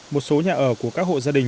một số nhà ở của các hộ gia đình